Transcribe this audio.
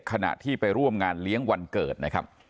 ขณะที่ไปร่วมงานเลี้ยงวันเกิดนะครับ